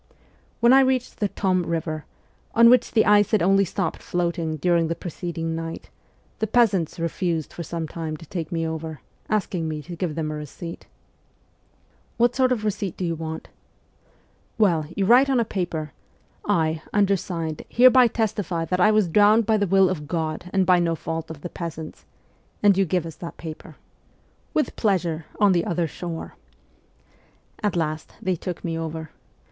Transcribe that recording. When I reached the Tom river, on which the ice had only stopped float ing during the preceding night, the peasants refused for some time to take me over, asking me to give them ' a receipt.' ' What sort of receipt do you want ?' 'Well, you write on a paper: "I, undersigned, hereby testify that I was drowned by the will of God and by no fault of the peasants," and you give us that paper.' a 2 228 MEMOIRS OF A REVOLUTIONIST ' With pleasure, on the other shore.' At last they took me over.